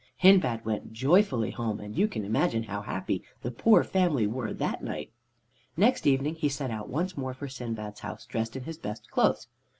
Hindbad went joyfully home, and you can imagine how happy the poor family were that night. Next evening he set out once more for Sindbad's house, dressed in his best clothes.